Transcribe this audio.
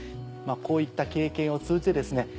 こういった経験を通じてですね